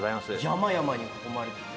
山々に囲まれてて。